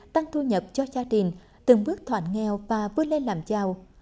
tình từng bước thoạn nghèo và vươn lên làm giàu